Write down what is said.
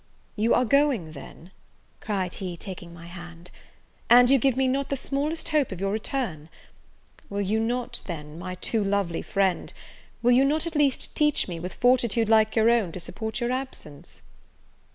"You are going, then," cried he, taking my hand, "and you give me not the smallest hope of your return! will you not, then, my too lovely friend! will you not, at least, teach me, with fortitude like your own, to support your absence?"